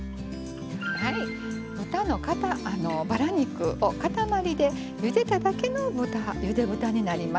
豚のバラ肉を塊でゆでただけのゆで豚になります。